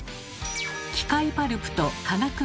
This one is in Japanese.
機械パルプと化学パルプ。